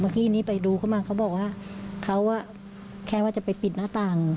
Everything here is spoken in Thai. ที่นี้ไปดูเขามาเขาบอกว่าเขาแค่ว่าจะไปปิดหน้าต่าง